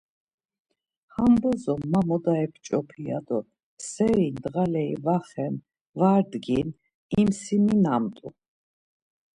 Ham bozo ma moda ep̌ç̌opi ya do seri ndğaleri var xen, var dgin imsiminamt̆u.